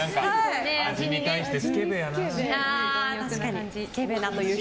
味に対してスケベやなって。